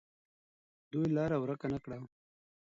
دوی لاره ورکه نه کړه.